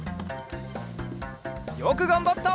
よくがんばった！